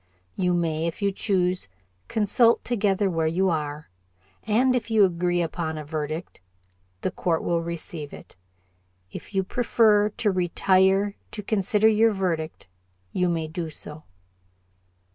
You may, if you choose, consult together where you are, and if you agree upon a verdict, the court will receive it. If you prefer to retire to consider your verdict, you may do so."